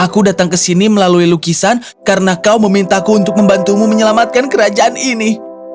aku datang ke sini melalui lukisan karena kau memintaku untuk membantumu menyelamatkan kerajaan ini